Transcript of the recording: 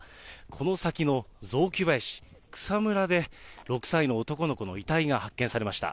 この先の雑木林、草むらで、６歳の男の子の遺体が発見されました。